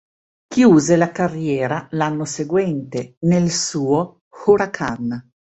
Chiuse la carriera l'anno seguente nel "suo" Huracán.